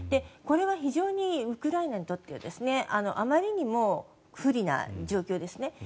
これは非常にウクライナにとってはあまりにも不利な状況ですね。